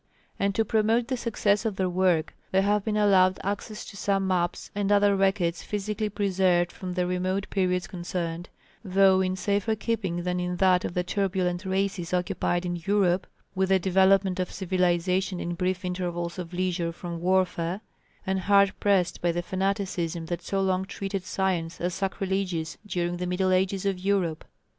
And to promote the success of their work they have been allowed access to some maps and other records physically preserved from the remote periods concerned though in safer keeping than in that of the turbulent races occupied in Europe with the development of civilisation in brief intervals of leisure from warfare, and hard pressed by the fanaticism that so long treated science as sacrilegious during the middle ages of Europe.